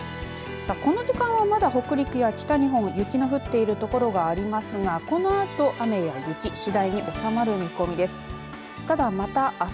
さあ、この時間は北陸や北日本雪の降っている所がありますがこのあと雨や雪次第に収まる見込みです。